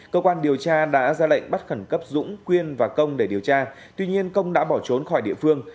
cơ quan điều tra đã ra lệnh bắt khẩn cấp dũng quyên và công để điều tra tuy nhiên công đã bỏ trốn khỏi địa phương